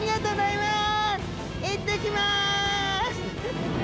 いってきます！